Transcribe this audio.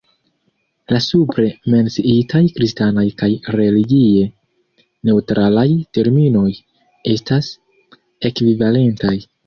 La supre menciitaj kristanaj kaj religie neŭtralaj terminoj estas ekvivalentaj.